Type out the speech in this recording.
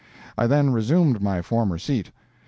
I then resumed my former seat.